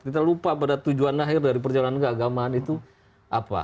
kita lupa pada tujuan akhir dari perjalanan keagamaan itu apa